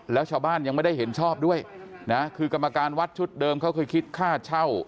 แล้วชาวบ้านยังไม่ได้เห็นชอบด้วยนะคือกรรมการวัดชุดเดิมเขาเคยคิดค่าเช่า